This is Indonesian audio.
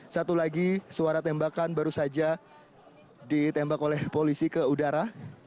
satu lagi suara tembakan baru saja ditembak oleh polisi ke udara